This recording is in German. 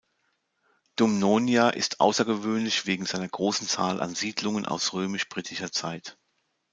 Dumnonia ist außergewöhnlich wegen seiner großen Zahl an Siedlungen aus römisch-britischer Zeit.